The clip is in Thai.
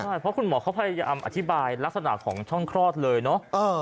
ใช่เพราะคุณหมอเขาพยายามอธิบายลักษณะของช่องคลอดเลยเนอะ